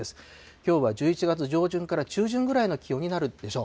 きょうは１１月上旬から中旬ぐらいの気温になるでしょう。